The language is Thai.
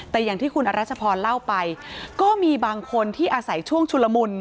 แต่อย่างที่คุณอรัชพรเล่าไปก็มีบางคนที่อาศัยช่วงชุลมุน